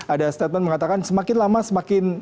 ada statement mengatakan semakin lama semakin